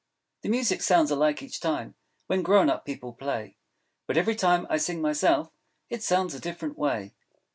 The music sounds alike each time When grown up people play; But every time I sing, myself, It sounds a different way.